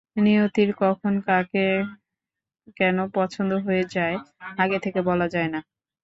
নিয়তির কখন কাকে কেন পছন্দ হয়ে যায়, আগে থেকে বলা যায় না।